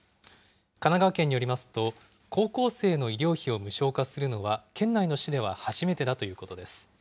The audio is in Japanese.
神奈川県によりますと、高校生の医療費を無償化するのは県内の市では初めてだということです。